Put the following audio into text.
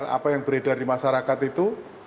apa yang beredar di masyarakat itu